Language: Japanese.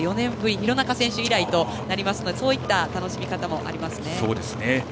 廣中選手以来となりますのでそういった楽しみ方もありますね。